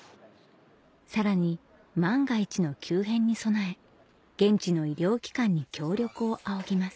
さらに万が一の急変に備え現地の医療機関に協力を仰ぎます